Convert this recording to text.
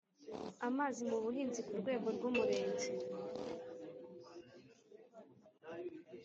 Amazi mu buhinzi ku rwego rw umurenge